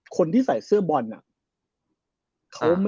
คนที่ใส่เสื้อบอลน่ะ